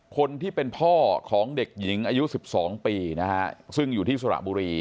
คนที่เป็นพ่อของเด็กหญิงอายุ๑๒ปีนะฮะซึ่งอยู่ที่สระบุรี